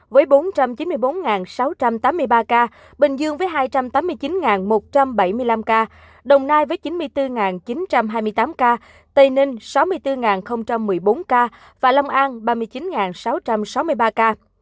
với bốn trăm chín mươi bốn sáu trăm tám mươi ba ca bình dương với hai trăm tám mươi chín một trăm bảy mươi năm ca đồng nai với chín mươi bốn chín trăm hai mươi tám ca tây ninh sáu mươi bốn một mươi bốn ca và long an ba mươi chín sáu trăm sáu mươi ba ca